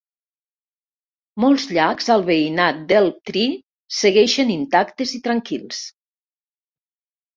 Molts llacs al veïnat d"Elm Tree segueixen intactes i tranquils.